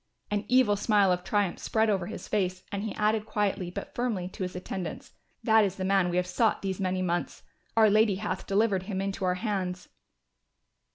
An evil smile of triumph spread over his face and he added quietly but firmly to his attendants, "That is the man we have sought these many months, our Lady hath delivered him into our hands."